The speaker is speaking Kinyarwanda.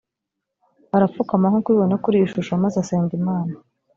arapfukama nk’uko ubibona kuri iyi shusho, maze asenga imana